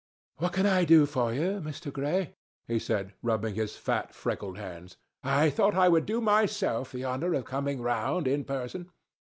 "What can I do for you, Mr. Gray?" he said, rubbing his fat freckled hands. "I thought I would do myself the honour of coming round in person.